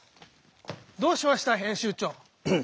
どうしました編集長。